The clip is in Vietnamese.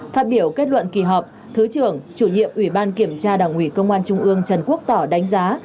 phát biểu kết luận kỳ họp thứ trưởng chủ nhiệm ủy ban kiểm tra đảng ủy công an trung ương trần quốc tỏ đánh giá